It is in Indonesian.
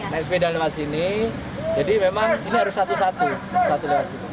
naik sepeda lewat sini jadi memang ini harus satu satu